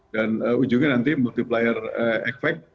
dan ujungnya nanti multiplier effect